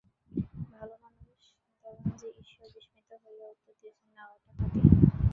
ভালোমানুষ দেওয়ানজি ঈষৎ বিস্মিত হইয়া উত্তর দিয়াছেন, না, ওটা হাতি।